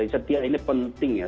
setia ini penting ya